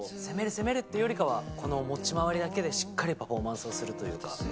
攻める！っていうよりは、この持ち回りだけでしっかりパフォーマンスをするというか。